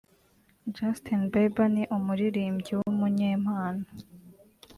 Justin Bieber ni umuririmbyi w’umunyempano